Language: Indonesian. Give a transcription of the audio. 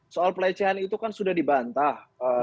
soal pelecehan itu kan sudah dibantah